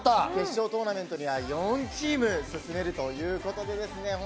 決勝トーナメントには４チーム進めるということですね。